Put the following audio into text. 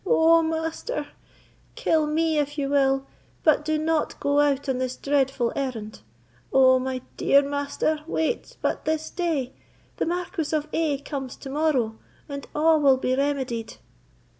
oh, master! kill me if you will, but do not go out on this dreadful errand! Oh! my dear master, wait but this day; the Marquis of A—— comes to morrow, and a' will be remedied."